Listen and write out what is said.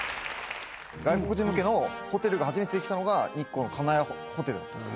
外国人向けのホテルが初めてできたのが日光の金谷ホテルだったんすよ。